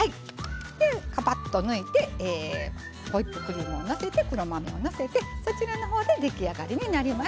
カパッと抜いてホイップクリームをのせて黒豆をのせてそちらの方で出来上がりになります。